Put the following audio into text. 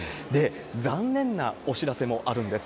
残念なお知らせもあるんです。